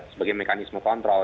sebagai mekanisme kontrol